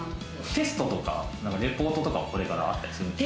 テストとかレポートはこれからあったりするんですか？